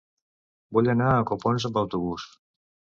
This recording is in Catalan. Vull anar a Copons amb autobús.